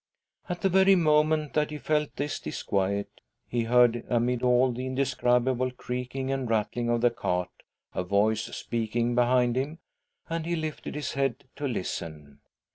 At the very moment that he felt this disquiet, he heard, amid all the indescribable creaking and rattling of the cart, a voice speaking behind him, and he lifted his head to listen.